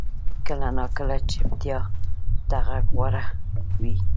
کله ناکله چپتیا تر غږ غوره وي.